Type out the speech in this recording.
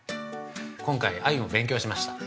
今回、アユを勉強しました。